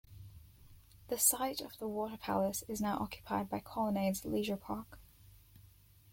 The site of the Water Palace is now occupied by Colonnades Leisure Park.